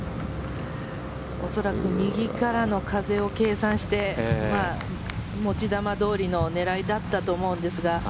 恐らく右からの風を計算して持ち球どおりの狙いだったと思うんですが。